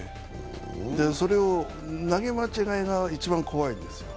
投げ間違いが一番怖いんですよ。